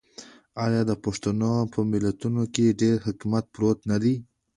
آیا د پښتنو په متلونو کې ډیر حکمت پروت نه دی؟